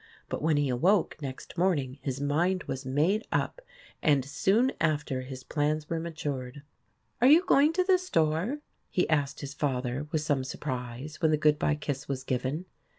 But when he awoke next morning his mind was made up, and soon after his plans were matured. "Are you going to the store?' he asked his father with some surprise, when the good by kiss was given.